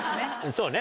そうね